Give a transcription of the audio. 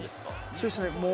そうですね。